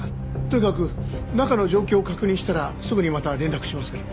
とにかく中の状況を確認したらすぐにまた連絡しますから。